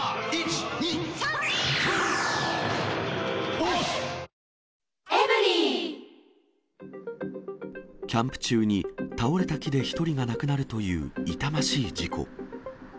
今なら補助金でお得キャンプ中に倒れた木で１人が亡くなるという痛ましい事故。